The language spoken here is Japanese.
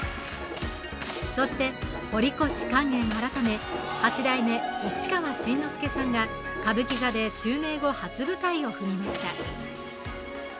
そして、堀越勸玄改め八代目市川新之助さんが歌舞伎座で襲名後初舞台を踏みました。